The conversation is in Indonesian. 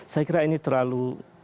saya kira ini terlalu